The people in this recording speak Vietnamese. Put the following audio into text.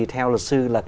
theo luật sư là